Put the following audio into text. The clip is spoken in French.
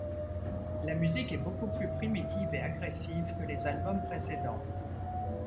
La musique est beaucoup plus primitive et agressive que les albums précédents.